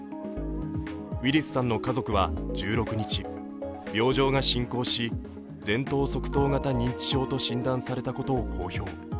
ウィルスさんの家族は１６日、病状が進行し、前頭側頭型認知症と診断されたことを公表。